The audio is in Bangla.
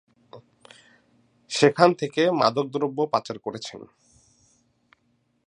সেখান থেকে মাদকদ্রব্য পাচার করছেন।